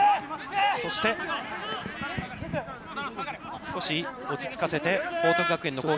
そして少し落ち着かせて、報徳学園の攻撃。